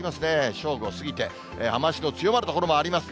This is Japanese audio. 正午を過ぎて、雨足の強まる所もあります。